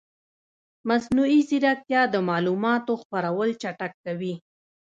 مصنوعي ځیرکتیا د معلوماتو خپرول چټکوي.